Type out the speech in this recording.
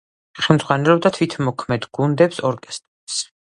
ხელმძღვანელობდა თვითმოქმედ გუნდებს, ორკესტრებს.